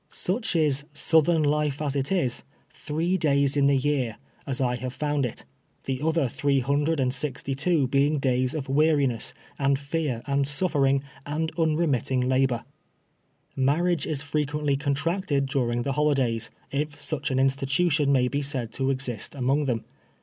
Such is " southern life as it is," three days in the year^ as I found it —• the other three hundred and sixty two being days of weariness, and fear, and suffering, and unremit ting labor. Marriage is frequently contracted during the holi days, if such an institution may be said to exist among them.